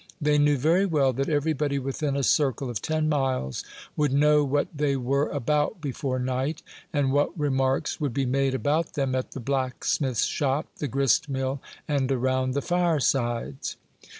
They knew very well that everybody within a circle of ten miles would know what they were about before night, and what remarks would be made about them at the blacksmith's shop, the grist mill, and around the firesides.